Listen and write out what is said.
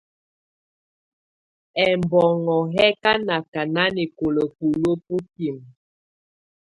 Ɛbɔnɔ̀ yɛ̀ kà nakà nanɛkɔ̀la buluǝ́ bukimǝ.